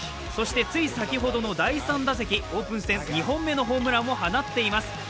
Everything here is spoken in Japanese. そして対先ほどの第３打席、オープン戦２本目のホームランを放っています。